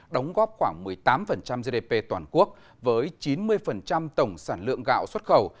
đóng góp khoảng một mươi tám gdp toàn quốc với chín mươi tổng sản lượng gạo xuất khẩu